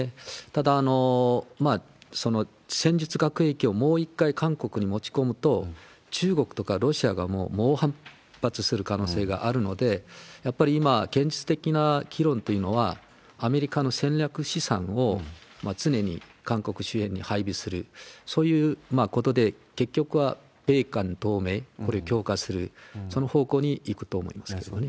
ただ、戦術核兵器をもう一回韓国に持ち込むと、中国とかロシアが猛反発する可能性があるので、やっぱり今、現実的な議論っていうのは、アメリカの戦略資産を常に韓国周辺に配備する、そういうことで、結局は米韓同盟、これ、強化する、その方向にいくと思いますけれどもね。